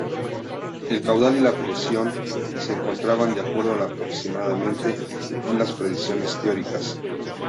El caudal y la presión se encontraban de acuerdo aproximadamente con las predicciones teóricas.